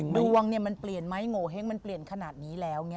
ดวงมันเปลี่ยนไหมโงเห้งมันเปลี่ยนขนาดนี้แล้ว